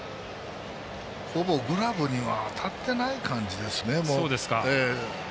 ほぼグラブには当たってない感じですね。